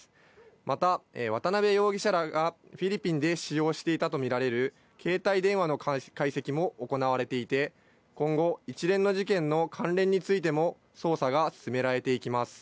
また、渡辺容疑者らがフィリピンで使用していたと見られる携帯電話の解析も行われていて、今後、一連の事件の関連についても捜査が進められていきます。